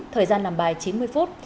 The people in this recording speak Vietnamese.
thời gian làm bài chín mươi phút